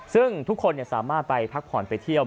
ซึ่งทุกคนสามารถไปพักผ่อนไปเที่ยว